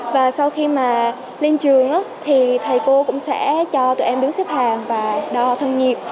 và sau khi mà lên trường thì thầy cô cũng sẽ cho tụi em đứng xếp hàng và đo thân nhiệt